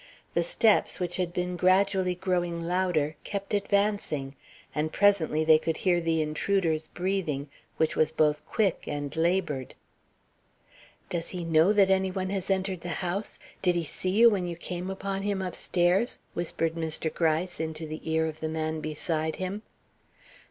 The steps, which had been gradually growing louder, kept advancing; and presently they could hear the intruder's breathing, which was both quick and labored. "Does he know that any one has entered the house? Did he see you when you came upon him upstairs?" whispered Mr. Gryce into the ear of the man beside him.